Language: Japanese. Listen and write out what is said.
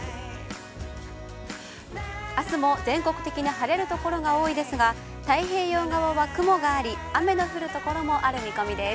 あすも全国的に晴れるところが多いですが、太平洋側は雲があり、雨の降る所も降る見込みです。